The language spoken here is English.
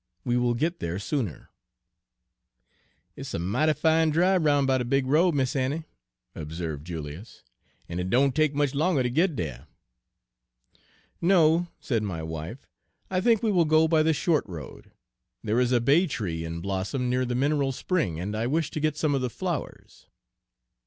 "We will get there sooner." "It's a mighty fine dribe roun' by de big road, Mis' Annie," observed Julius, "en it doan take much longer to git dere." "No," said my wife, "I think we will go by the short road. There is a baytree in blossom near the mineral spring, and I wish to get some of the flowers."